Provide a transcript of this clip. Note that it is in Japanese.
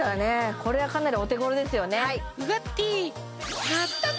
これはかなりお手ごろですよね